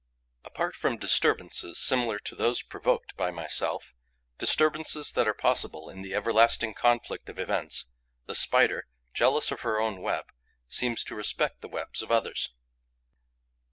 Apart from disturbances similar to those provoked by myself, disturbances that are possible in the everlasting conflict of events, the Spider, jealous of her own web, seems to respect the webs of others.